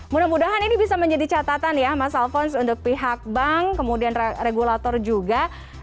mudah mudahan ini bisa menjadi catatan ya mas alfons untuk pihak bank kemudian regulator juga